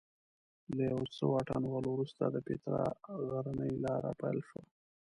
له یو څه واټن وهلو وروسته د پیترا غرنۍ لاره پیل شوه.